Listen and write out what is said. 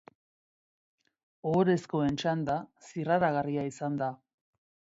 Ohorezko txanda zirraragarria izan da.